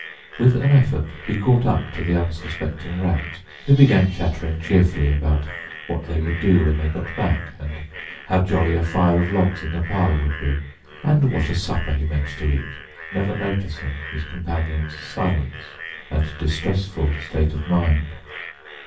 With an effort he caught up to the unsuspecting Rat, who began chattering cheerfully about what they would do when they got back, and how jolly a fire of logs in the parlour would be, and what a supper he meant to eat; never noticing his companion's silence and distressful state of mind.